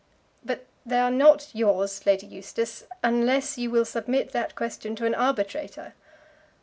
"But they are not yours, Lady Eustace, unless you will submit that question to an arbitrator."